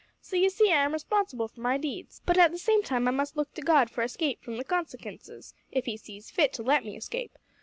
So, you see, I'm responsible for my deeds, but, at the same time, I must look to God for escape from the consekinces, if He sees fit to let me escape.